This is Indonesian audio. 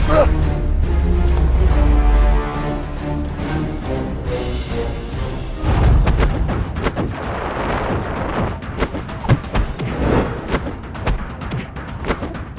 kamu apapun yang ter righteousness